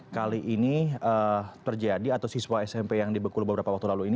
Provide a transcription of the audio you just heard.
kali ini terjadi atau siswa smp yang dibekul beberapa waktu lalu ini